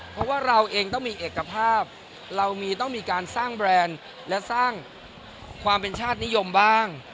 เพราะว่าเราเองต้องมีเอกภาพเรามีต้องมีการสร้างแบรนด์และสร้างความเป็นชาตินิยมบ้าง